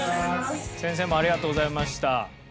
先生もありがとうございました。